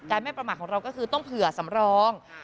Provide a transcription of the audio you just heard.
ไม่ประมาทของเราก็คือต้องเผื่อสำรอง